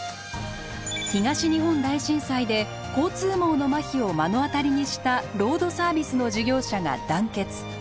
東日本大震災で交通網のマヒを目の当たりにしたロードサービスの事業者が団結。